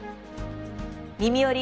「みみより！